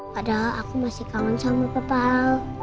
padahal aku masih kangen sama papa al